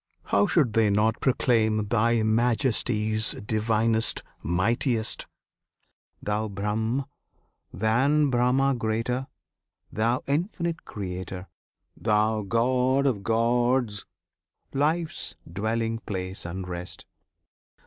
How should they not proclaim Thy Majesties, Divinest, Mightiest? Thou Brahm, than Brahma greater! Thou Infinite Creator! Thou God of gods, Life's Dwelling place and Rest!